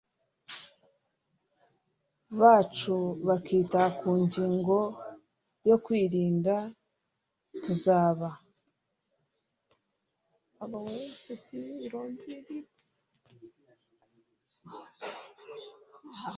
bacu bakita ku ngingo yo kwirinda, tuzaba